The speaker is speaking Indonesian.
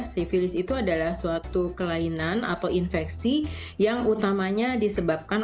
sivilis itu adalah suatu kelainan atau infeksi yang utamanya disebabkan